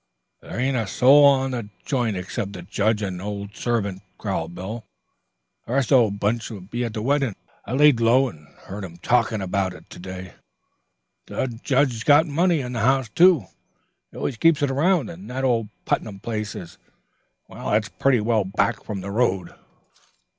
"There ain't a soul on the joint except the judge and one old servant," growled Bill. "The rest o' the bunch'll be at the weddin' of one o' the girls. I laid low and heard 'em talkin' about it to day. The judge's got money in the house, too. He always keeps it around, and that old Putnam place is pretty well back from the road."